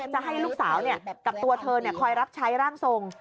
จะให้ลูกสาวกับตัวเธอคอยรับใช้ร่างทรง